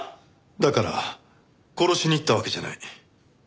だから殺しに行ったわけじゃない。